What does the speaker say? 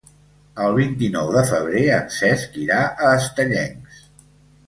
El vint-i-nou de febrer en Cesc irà a Estellencs.